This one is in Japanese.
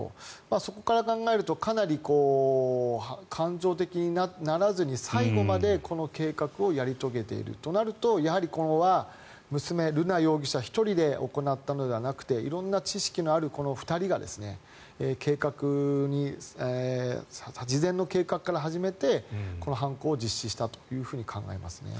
そこから考えるとかなり感情的にならずに最後までこの計画をやり遂げているとなるとやはり、これは娘・瑠奈容疑者１人で行ったのではなくて色んな知識のあるこの２人が計画に事前の計画から始めてこの犯行を実施したと考えますね。